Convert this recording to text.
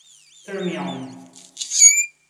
Turn Me On